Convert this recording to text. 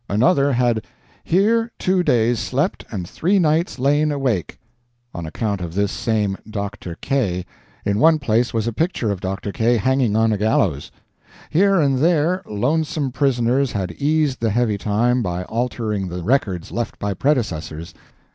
Another had "here two days slept and three nights lain awake," on account of this same "Dr. K." In one place was a picture of Dr. K. hanging on a gallows. Here and there, lonesome prisoners had eased the heavy time by altering the records left by predecessors.